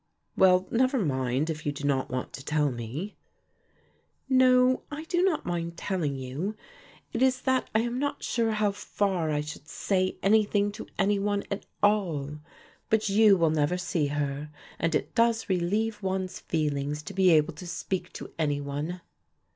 "Well, never mind if you do not want to tell me." "No, I do not mind telling you; it is that I am not sure how far I should say anything to any one at all. But you will never see her and it does relieve one's feelings to be able to speak to any one."